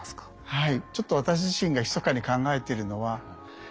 はい。